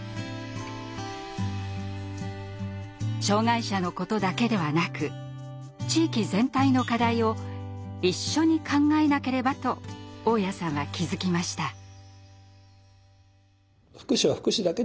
障害者のことだけではなく地域全体の課題を一緒に考えなければと雄谷さんは気付きました。